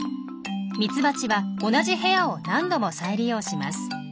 ミツバチは同じ部屋を何度も再利用します。